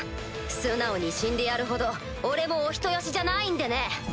素直に死んでやるほど俺もお人よしじゃないんでね！